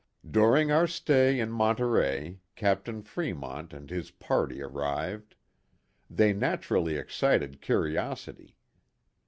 ..." During our stay in Monterey Captain Fre" mont and his party arrived. They naturally excited curi osity.